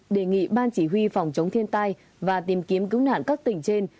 đề nghị ban chỉ huy phòng chống thiên tai và tìm kiếm cứu nạn các tỉnh trên